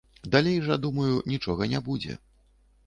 Далей жа, думаю, нічога не будзе.